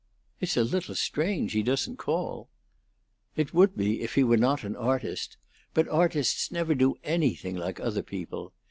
"It's a little strange he doesn't call." "It would be if he were not an artist. But artists never do anything like other people.